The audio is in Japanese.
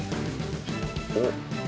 おっ。